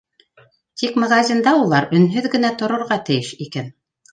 Тик магазинда улар өнһөҙ генә торорға тейеш икән.